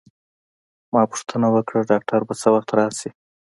ما پوښتنه وکړه: ډاکټر به څه وخت راشي؟